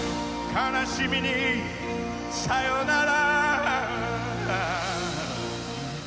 「悲しみにさよなら」